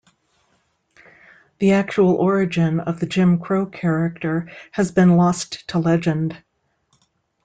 The actual origin of the Jim Crow character has been lost to legend.